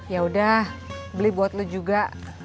ya udah beli buat loo juga